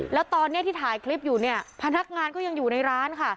แล้วตอนนี้ที่ถ่ายคลิปอยู่เนี่ยพนักงานก็ยังอยู่ในร้านค่ะ